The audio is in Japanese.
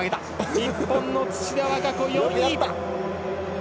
日本の土田和歌子、４位。